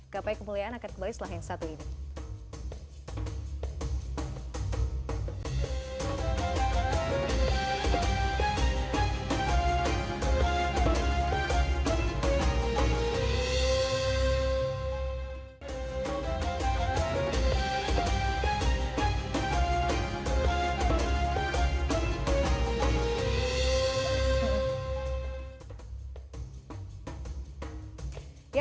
gapai kemuliaan akan kembali setelah yang satu ini